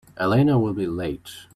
Elena will be late.